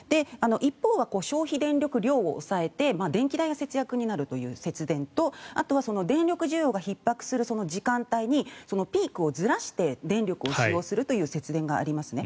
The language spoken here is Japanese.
一方は消費電力量を抑えて電気代の節約になるという節電とあとは電力需要がひっ迫する時間帯にピークをずらして電力を使用するという節電がありますね。